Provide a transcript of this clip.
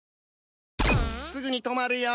すぐに止まるよ。